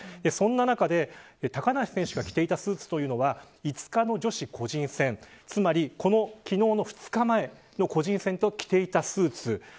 そんな中で、高梨選手が着ていたスーツというのは５日の女子個人戦つまり、昨日の２日前の個人戦で着ていたスーツ。